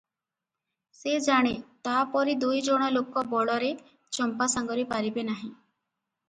ସେ ଜାଣେ ତା'ପରି ଦୁଇଜଣ ଲୋକ ବଳରେ ଚମ୍ପା ସାଙ୍ଗରେ ପାରିବେ ନାହିଁ ।